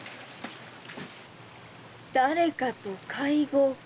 誰かと会合か。